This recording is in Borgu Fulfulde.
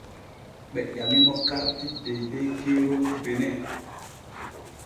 Ɓe ƴamimo karti deydey keerol Benin.